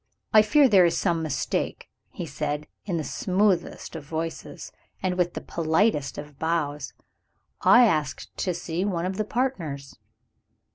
"I fear there is some mistake," he said, in the smoothest of voices, and with the politest of bows; "I asked to see one of the partners."